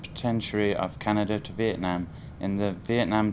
câu chuyện của ông sẽ được chia sẻ trong tiểu mục chuyện việt nam